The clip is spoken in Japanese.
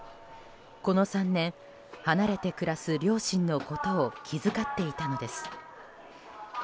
この３年離れて暮らす両親のことを気遣っていたのです。